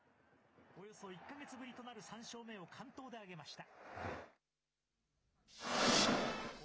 およそ１か月ぶりとなる３勝目を完投で挙げました。